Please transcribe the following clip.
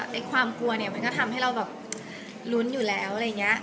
ในความกลัวเนี่ยมันก็ทำให้เรารุ้นอยู่แล้ว